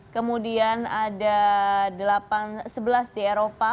kemudian ada sebelas di eropa